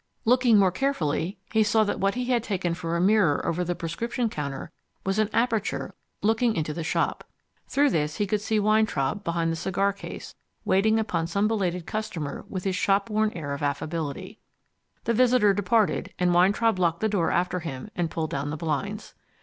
Looking more carefully, he saw that what he had taken for a mirror over the prescription counter was an aperture looking into the shop. Through this he could see Weintraub, behind the cigar case, waiting upon some belated customer with his shop worn air of affability. The visitor departed, and Weintraub locked the door after him and pulled down the blinds.